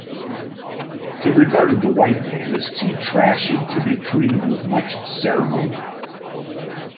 He regarded the white man as too trashy to be treated with much ceremony.